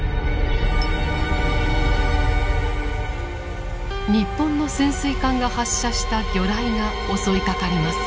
日本の潜水艦が発射した魚雷が襲いかかります。